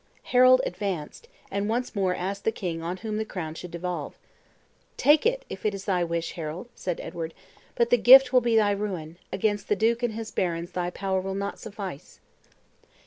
Harold advanced, and once more asked the king on whom the crown should devolve. "Take it, if it is thy wish, Harold," said Edward; "but the gift will be thy ruin; against the duke and his barons thy power will not suffice."